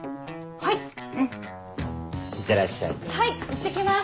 はいいってきます！